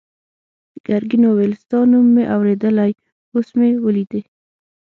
ګرګین وویل ستا نوم مې اورېدلی اوس مې ولیدې.